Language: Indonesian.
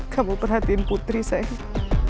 kamu perhatiin putri sayang